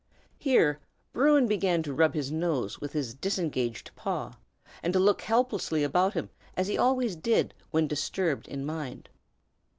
Here Bruin began to rub his nose with his disengaged paw, and to look helplessly about him, as he always did when disturbed in mind.